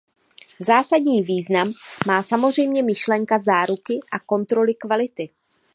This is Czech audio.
Zásadní význam má samozřejmě myšlenka záruky a kontroly kvality.